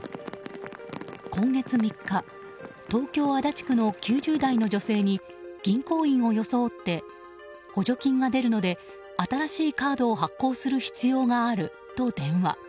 今月３日東京・足立区の９０代の女性に銀行員を装って補助金が出るので新しいカードを発行する必要があると電話。